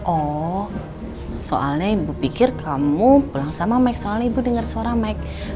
oh soalnya ibu pikir kamu pulang sama mike soalnya ibu denger suara mike